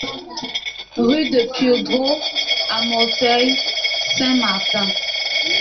Rue de Puydreau à Mouzeuil-Saint-Martin